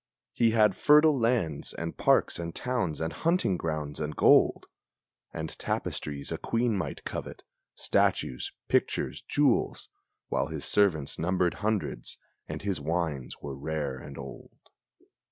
He had fertile lands and parks and towns and hunting grounds and gold, And tapestries a queen might covet, statues, pictures, jewels, While his servants numbered hundreds, and his wines were rare and old.